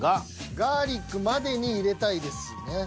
ガーリックまでに入れたいですね。